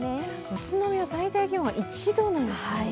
宇都宮、最低気温が１度の予想。